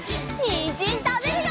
にんじんたべるよ！